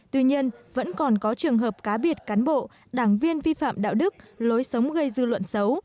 tuy nhiên vẫn còn có trường hợp cá biệt cán bộ đảng viên vi phạm đạo đức lối sống gây dư luận xấu